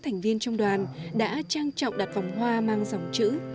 thành viên trong đoàn đã trang trọng đặt vòng hoa mang dòng chữ